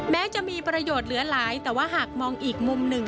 แม้จะมีประโยชน์เหลือหลายแต่ว่าหากมองอีกมุมหนึ่ง